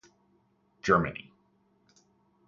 Germany.